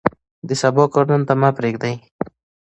د سبا کار نن ته مه پرېږدئ.